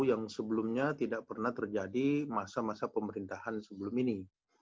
yang sebelumnya tidak pernah terjadi masa masa pemerintahan sebelum ini